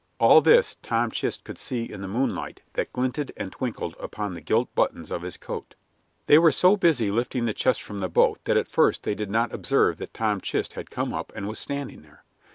All this Tom Chist could see in the moonlight that glinted and twinkled upon the gilt buttons of his coat. They were so busy lifting the chest from the boat that at first they did not observe that Tom Chist had come up and was standing there.